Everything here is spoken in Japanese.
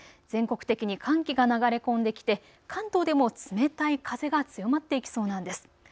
全国的に寒気が流れ込んできて関東でも冷たい風が強まってきそうなんです。